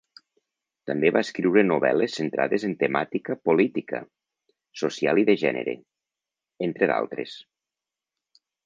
També va escriure novel·les centrades en temàtica política, social i de gènere, entre d'altres.